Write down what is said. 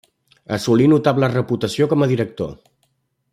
Assolí notable reputació com a director.